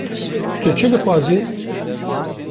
- Tu çi dixwazî?